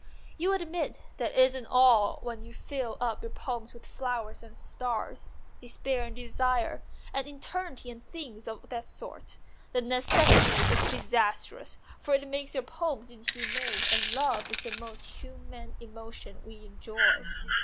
You admit that it isn't all when you fill up your poems with flowers and stars, despair and desire, and eternity and things of that sort. The necessity is disastrous, for it A MONOLOGUE ON LOVE SONGS 271 makes your poems inhuman, and love is the most human emotion we enjoy.